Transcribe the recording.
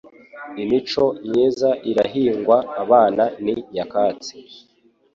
Imico myiza irahingwa abana ni nyakatsi